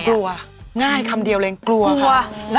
กลัวง่ายคำเดียวเลยกลัวค่ะ